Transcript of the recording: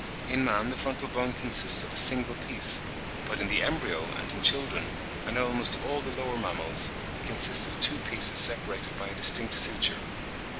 In man the frontal bone consists of a single piece, but in the embryo, and in children, and in almost all the lower mammals, it consists of two pieces separated by a distinct suture.